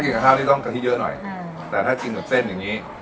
ถ้ากินกับข้าวที่ต้องกะทิเยอะหน่อยอ่าแต่ถ้าจริงแบบเส้นอย่างงี้